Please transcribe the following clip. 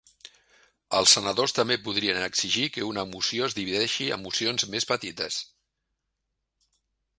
Els senadors també podrien exigir que una moció es divideixi en mocions més petites.